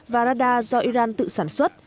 và radar do iran tự sản xuất